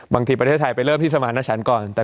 ประเทศไทยไปเริ่มที่สมาณชันก่อน